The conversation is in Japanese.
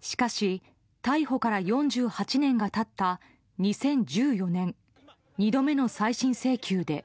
しかし逮捕から４８年が経った２０１４年２度目の再審請求で。